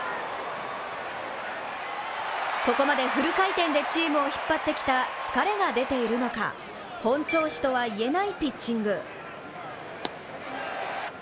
ここまでフル回転でチームを引っ張ってきた疲れが出ているのか本調子とはいえないピッチング。